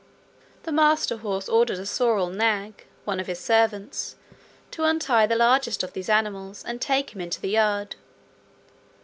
The master horse ordered a sorrel nag, one of his servants, to untie the largest of these animals, and take him into the yard.